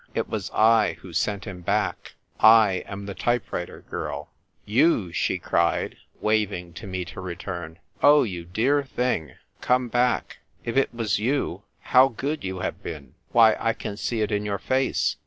It was / who sent him back. / am the type writer girl !" I CLING TO THE RIGGING. 261 " You !" she cried, waving to me to return. " Oh, you dear thing, come back ! If it was you, how good you have been ! Why, I can see it in your face.